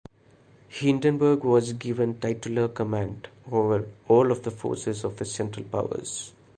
Hindenburg was given titular command over all of the forces of the Central Powers.